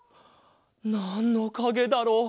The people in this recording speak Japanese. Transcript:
なんのかげだろう？